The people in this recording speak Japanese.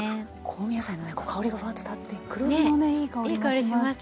香味野菜の香りがふわっと立って黒酢のねいい香りもしますけど。